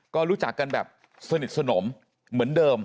ก็รู้จักกันแบบสนิทสนมเหมือนเดิม